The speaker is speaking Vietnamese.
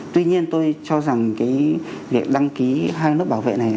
tuy nhiên tôi cho rằng cái việc đăng ký hai lớp bảo vệ này